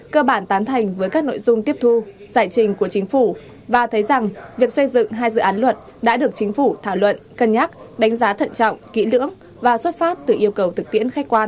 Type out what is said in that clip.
cơ bản tán thành với các nội dung tiếp thu giải trình của chính phủ và thấy rằng việc xây dựng hai dự án luật đã được chính phủ thảo luận cân nhắc đánh giá thận trọng kỹ lưỡng và xuất phát từ yêu cầu thực tiễn khách quan